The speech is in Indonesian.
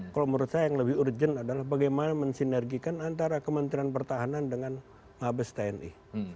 kalau menurut saya yang lebih urgent adalah bagaimana mensinergikan antara kementerian pertahanan dengan mabes tni